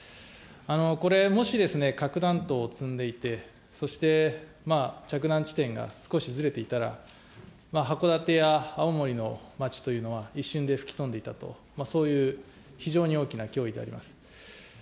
これもし、核弾頭を積んでいて、そして着弾地点が少しずれていたら、函館や青森の街というのは一瞬で吹き飛んでいたと、そういう非常に大きな脅威であります。